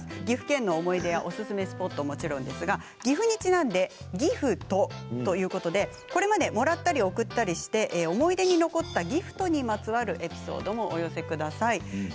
岐阜県の思い出やおすすめスポットはもちろんですが岐阜にちなんでギフトということでこれまでもらったり贈ったりして思い出に残ったギフトにまつわるエピソードをお寄せください。